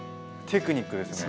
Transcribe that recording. テクニックですね。